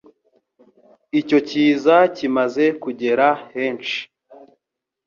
Icyo kiza kimaze kugera henshi